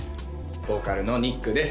ボーカルのＮｙｋです